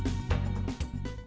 hẹn gặp lại